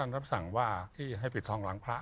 รับสั่งว่าที่ให้ปิดทองหลังพระ